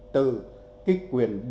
từ cái quyền được bắt đầu